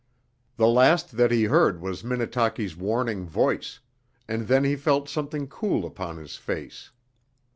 The last that he heard was Minnetaki's warning voice, and then he felt something cool upon his face.